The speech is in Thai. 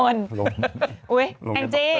อุ๊ยแอมจี้